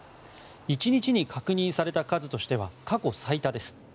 １日に確認された数としては過去最多です。